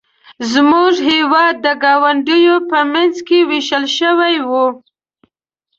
زموږ هېواد د ګاونډیو په منځ کې ویشل شوی و.